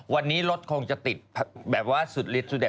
วันนี้รถคงจะติดแบบว่าสุดลิดสุดเด็